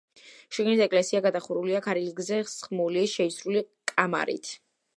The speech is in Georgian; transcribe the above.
შიგნით ეკლესია გადახურულია ქარგილზე სხმული შეისრული კამარით.